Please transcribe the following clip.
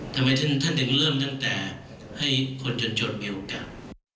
ทำไมท่านถึงเริ่มตั้งแต่ให้คนจนชนมีโอกาส